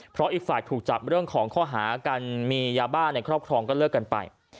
เพราะอีกฝ่ายถูกจับเรื่องของข้อหาการมียาบ้าในครอบครองก็เลิกกันไป